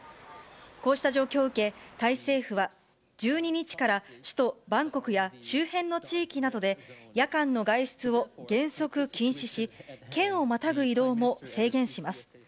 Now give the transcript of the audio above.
こうした状況を受け、タイ政府は、１２日から首都バンコクや周辺の地域などで、夜間の外出を原則禁止し、県をまたぐ移動も制限します。